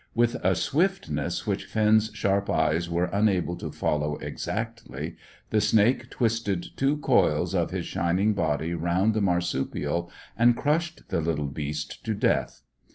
With a swiftness which Finn's sharp eyes were unable to follow exactly, the snake twisted two coils of his shining body round the marsupial and crushed the little beast to death.